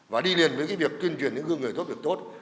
và đi liền với việc tuyên truyền những gương người tốt việc tốt